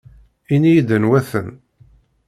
Ini-iyi-d anwa-ten.